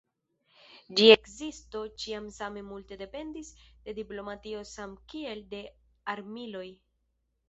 Ĝia ekzisto ĉiam same multe dependis de diplomatio samkiel de armiloj.